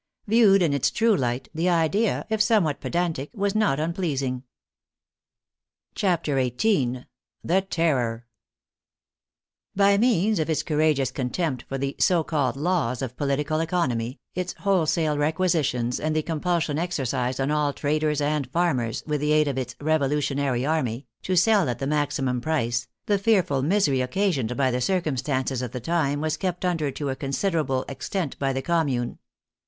Viewed in its true light, the idea, if somewhat pedantic was not unpleasing. CHAPTER XVIII THE TERROR By means of its courageous contempt for the so called laws of political economy, its wholesale requisitions and the compulsion exercised on all traders and farmers, with the aid of its " revolutionary army," to sell at the maxi mum price, the fearful misery occasioned by the circum stances of the time was kept under to a considerable ex tent by the Commune.